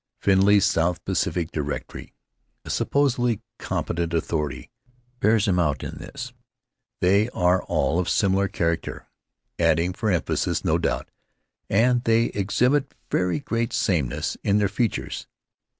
Findlay's South Pacific Directory, a supposedly competent authority, bears him out in this: "They are all of similar charac ter," adding, for emphasis, no doubt, "and they exhibit very great sameness in their features."